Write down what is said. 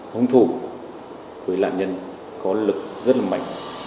hung thủ với nạn nhân có lực rất là mạnh